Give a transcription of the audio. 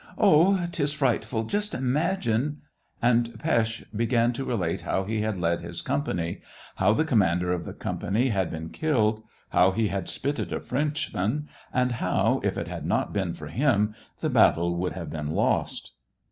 " Oh, 'tis frightful ! Just imagine ..." And Pesth began to relate how he had led his company, how the commander of the company had been killed, how he had spitted a Frenchman, and how, if it had not been for him, the battle would have been lost.